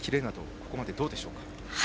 ここまでどうでしょうか？